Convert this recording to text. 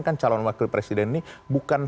kan calon wakil presiden ini bukan